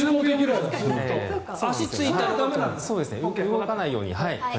動かないように。